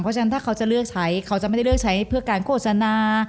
เพราะฉะนั้นถ้าเขาจะเลือกใช้เขาจะไม่ได้เลือกใช้เพื่อการโฆษณา